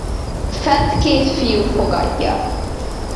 Fent két fiú fogadja.